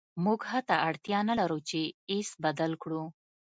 موږ حتی اړتیا نلرو چې ایس بدل کړو